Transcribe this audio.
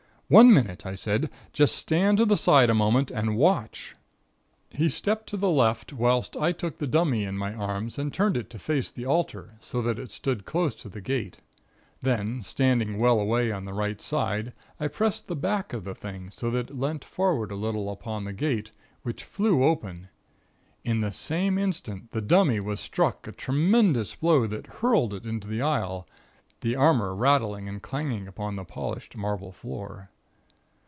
"One minute," I said. "Just stand to the side a moment, and watch." He stepped to the left whilst I took the dummy in my arms and turned it to face the altar, so that it stood close to the gate. Then, standing well away on the right side, I pressed the back of the thing so that it leant forward a little upon the gate, which flew open. In the same instant, the dummy was struck a tremendous blow that hurled it into the aisle, the armor rattling and clanging upon the polished marble floor.